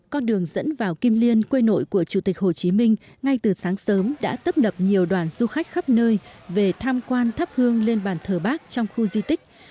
con đường dẫn vào kim liên quê nội của chủ tịch hồ chí minh ngay từ sáng sớm đã tấp nập nhiều đoàn du khách khắp nơi về tham quan thắp hương lên bàn thờ bác trong khu di tích